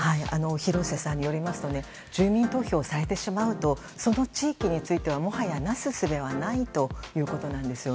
廣瀬さんによりますと住民投票をされてしまうとその地域についてはもはやなすすべはないということなんです。